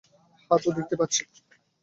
হ্যাঁ, তা তো দেখতেই পাচ্ছি।